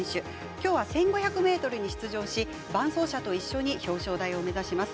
きょうは１５００ｍに出場し伴走者と一緒に表彰台を目指します。